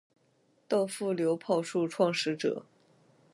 稻富流炮术创始者。